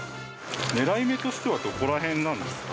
狙い目としてはどこら辺なんですか？